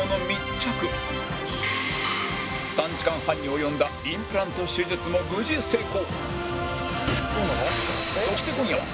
３時間半に及んだインプラント手術も無事成功